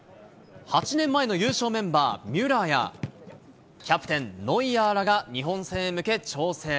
８年前の優勝メンバー、ミュラーや、キャプテン、ノイアーらが日本戦へ向け調整。